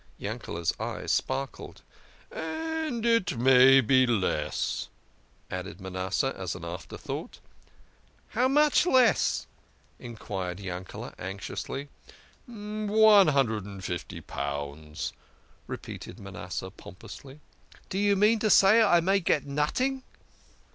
Yankee's eyes sparkled. " And it may be less," added Manasseh as an after thought. " How much less?" enquired Yankel6 anxiously. " A hundred and fifty pounds," repeated Manasseh pom pously. " D'you mean to say I may get noting?